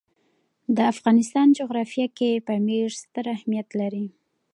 د افغانستان جغرافیه کې پامیر ستر اهمیت لري.